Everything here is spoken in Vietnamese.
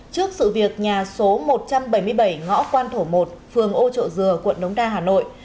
trước sự việc nhà số một trăm bảy mươi bảy ngõ quan thổ một phường ô trợ dừa quận đống đa hà nội